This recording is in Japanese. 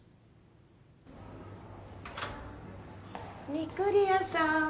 御厨さん